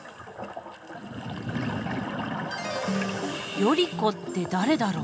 頼子って誰だろう？